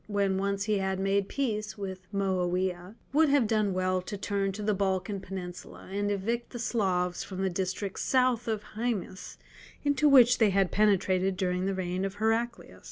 when once he had made peace with Moawiah, would have done well to turn to the Balkan Peninsula, and evict the Slavs from the districts south of Haemus into which they had penetrated during the reign of Heraclius.